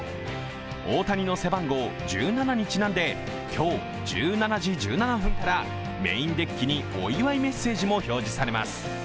大谷の背番号１７にちなんで今日１７時１７分からメインデッキにお祝いメッセージも表示されます。